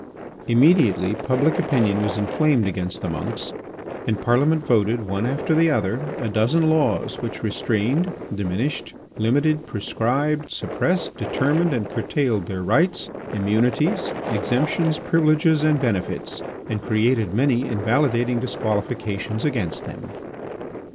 Immediately public opinion was inflamed against the monks, and Parliament voted, one after the other, a dozen laws which restrained, diminished, limited, prescribed, suppressed, determined, and curtailed, their rights, immunities, exemptions, privileges, and benefits, and created many invalidating disqualifications against them.